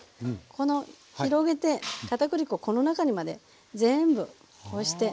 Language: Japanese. この広げて片栗粉この中にまで全部こうして。